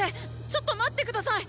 ちょっと待って下さい！